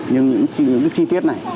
nhưng những chi tiết này